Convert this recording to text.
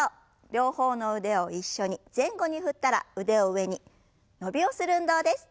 両方の腕を一緒に前後に振ったら腕を上に伸びをする運動です。